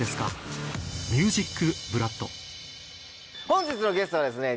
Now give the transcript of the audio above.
本日のゲストはですね